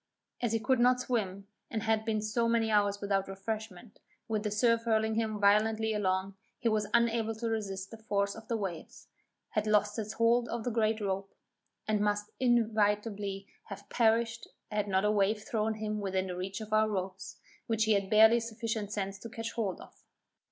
As he could not swim, and had been so many hours without refreshment, with the surf hurling him violently along, he was unable to resist the force of the waves, had lost his hold of the great rope, and must inevitably have perished had not a wave thrown him within the reach of our ropes, which he had barely sufficient sense to catch hold of.